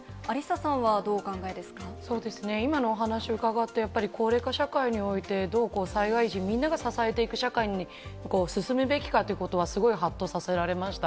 そうですね、今のお話伺って、高齢化社会において災害時、みんなが支えていく社会に進むべきかということは、すごいはっとさせられました。